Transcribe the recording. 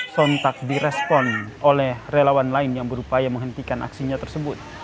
sontak direspon oleh relawan lain yang berupaya menghentikan aksinya tersebut